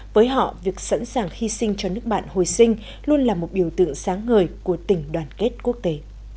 với họ việc sẵn sàng hy sinh cho nước bạn hồi sinh luôn là một biểu tượng sáng ngời của tình đoàn kết quốc tế